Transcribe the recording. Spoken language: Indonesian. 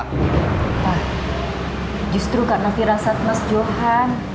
nah justru karena firasat mas johan